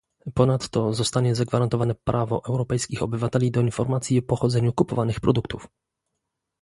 Ponadto zostanie zagwarantowane prawo europejskich obywateli do informacji o pochodzeniu kupowanych produktów